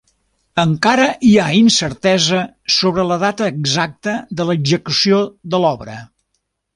Encara hi ha incertesa sobre la data exacta de l'execució de l'obra.